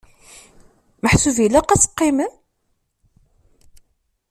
Meḥsub ilaq ad teqqimem?